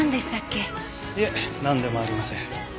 いえなんでもありません。